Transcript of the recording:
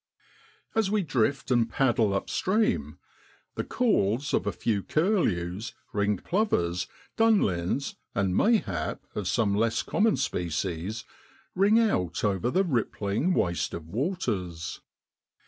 As we drift and paddle up stream, the calls of a few curlews, ringed plovers, dunlins, and mayhap, of some less common species, ring out over the rippling waste of waters.